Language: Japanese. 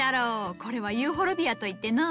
これはユーフォルビアといってのう。